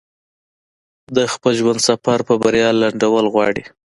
د خپل ژوند سفر په بريا لنډول غواړي.